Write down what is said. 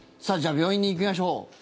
さあ、じゃあ病院に行きましょう。